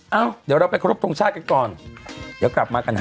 เอ้าเดี๋ยวเราไปครบทรงชาติกันก่อนเดี๋ยวกลับมากันฮะ